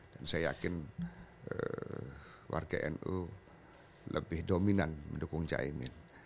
dan saya yakin warga nu lebih dominan mendukung cak emin